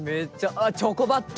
あっ、チョコバット！